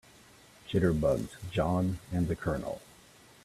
Jitterbugs JOHN and the COLONEL.